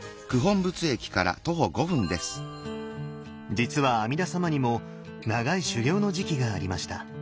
実は阿弥陀様にも長い修行の時期がありました。